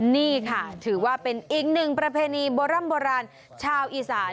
นี่ค่ะถือว่าเป็นอีกหนึ่งประเพณีโบร่ำโบราณชาวอีสาน